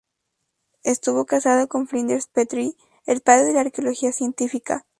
Estuvo casada con Flinders Petrie, el padre de la arqueología científica.